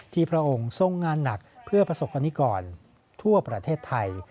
พระองค์ทรงงานหนักเพื่อประสบกรณิกรทั่วประเทศไทย